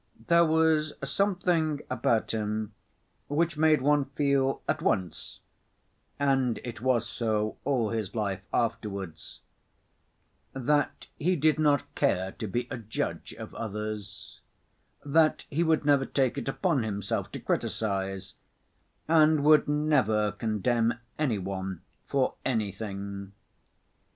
There was something about him which made one feel at once (and it was so all his life afterwards) that he did not care to be a judge of others—that he would never take it upon himself to criticize and would never condemn any one for anything.